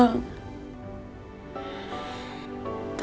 tapi tunggu sebentar